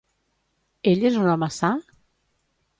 Ell és un home sa?